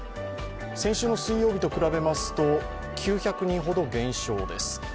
先週の水曜日と比べますと９００人ほど減少です。